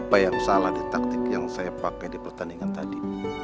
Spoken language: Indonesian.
apa yang salah dan taktik yang saya pakai di pertandingan tadi